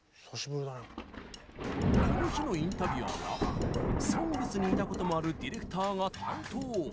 この日のインタビュアーは「ＳＯＮＧＳ」にいたこともあるディレクターが担当。